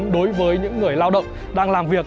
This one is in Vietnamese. đối với những người lao động đang làm việc